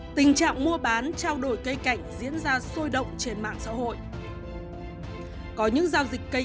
ở tình trạng mua bán trao đổi cây cảnh diễn ra sôi động trên mạng xã hội có những giao dịch cây